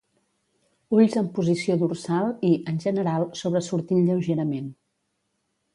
Ulls en posició dorsal i, en general, sobresortint lleugerament.